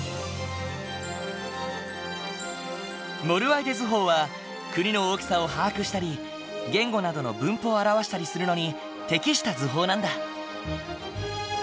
モルワイデ図法は国の大きさを把握したり言語などの分布を表したりするのに適した図法なんだ。